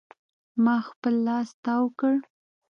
ما خپل لاس تاو کړ.